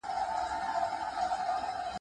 دا ځمکه تر هغې بلې ځمکې ډیره لنده ده.